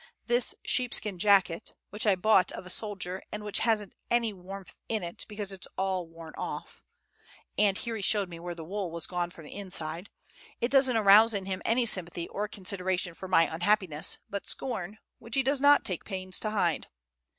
This sheepskin jacket, which I bought of a soldier, and which hasn't any warmth in it, because it's all worn off" (and here he showed me where the wool was gone from the inside), "it doesn't arouse in him any sympathy or consideration for my unhappiness, but scorn, which he does not take pains to hide.